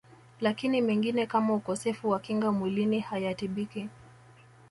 Lakini mengine kama Ukosefu wa Kinga Mwilini hayatibiki